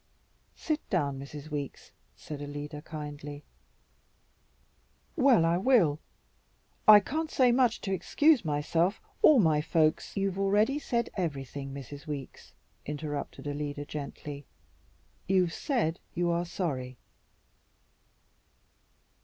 "Sit down, Mrs. Weeks," said Alida kindly. "Well, I will. I can't say much to excuse myself or my folks " "You've already said everything, Mrs. Weeks," interrupted Alida gently; "you've said you are sorry."